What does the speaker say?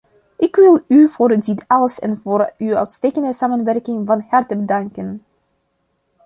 Ik wil u voor dit alles en voor uw uitstekende samenwerking van harte danken!